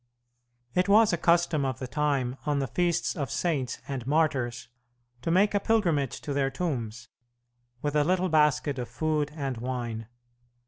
It was a custom of the time on the feasts of saints and martyrs to make a pilgrimage to their tombs, with a little basket of food and wine.